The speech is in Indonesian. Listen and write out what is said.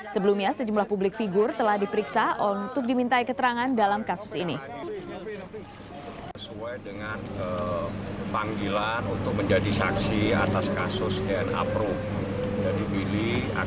sebelumnya sejumlah publik figur telah diperiksa untuk dimintai keterangan dalam kasus ini